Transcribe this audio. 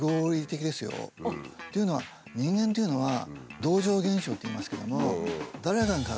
というのは人間っていうのは「同調現象」っていいますけども